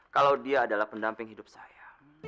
kalau dia adalah pendamping hidup saya